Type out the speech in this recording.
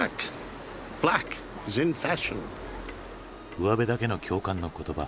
うわべだけの共感の言葉。